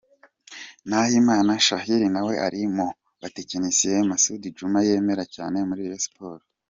Nahimana Shassir nawe ari mu batekinisiye Masud Djuma yemera cyane muri Rayon Sports.